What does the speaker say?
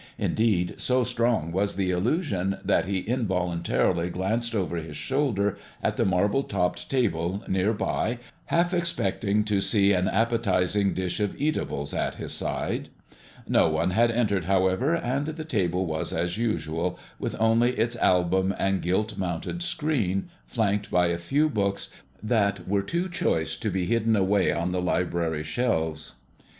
Indeed, so strong was the illusion that he involuntarily glanced over his shoulder at the marble topped table near by, half expecting to see an appetizing dish of eatables at his side. No one had entered, however, and the table was as usual, with only its album and gilt mounted screen, flanked by a few books that were too choice to be hidden away on the library shelves.